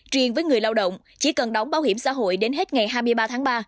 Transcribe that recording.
truyền với người lao động chỉ cần đóng bảo hiểm xã hội đến hết ngày hai mươi ba tháng ba